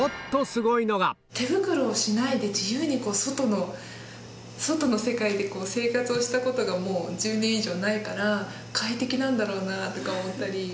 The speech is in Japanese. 手袋をしないで自由に外の世界で生活をしたことがもう１０年以上ないから快適なんだろうなとか思ったり。